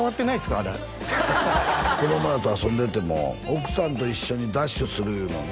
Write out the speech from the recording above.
あれ子供らと遊んでても奥さんと一緒にダッシュするいうのね